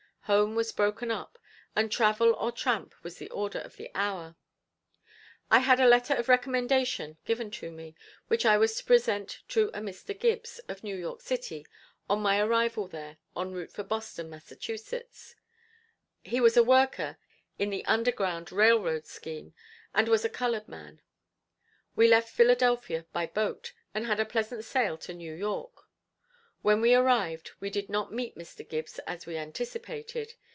Home was broken up, and travel or tramp was the order of the hour. I had a letter of recommendation given to me, which I was to present to a Mr. Gibbs, of New York City, on my arrival there, enroute for Boston, Mass. He was a worker in the Under Ground Railroad scheme, and was a colored man. We left Philadelphia by boat, and had a pleasant sail to New York. When we arrived, we did not meet Mr. Gibbs as we anticipated.